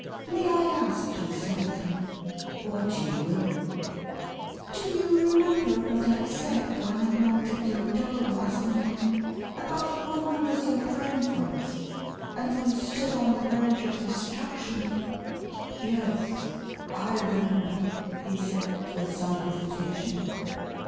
" May 1 ask you something ?"' THE STUDENTS FATHER. 517 " What you will." " Do you remember what I said, when I knocked at your door last night? About one who was your friend once, and who stood on the verge of destruction ?"" Yes. I remember," he said, with some hesitation.